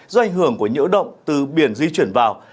do ảnh hưởng của nhiễu động từ biển di chuyển vào